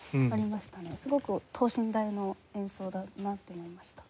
すごく等身大の演奏だなって思いました。